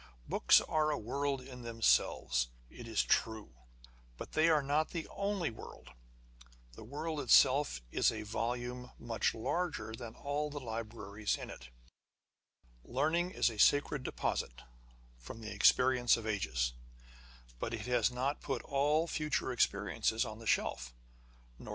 Books are a world in themselves, it is true ; but they are not the only world. The world it self is a volume larger than all the libraries in it. Learning is a sacred deposit from the experience of ages ; but it has not put all future experience on the shelf, or On the Conversation of Authors.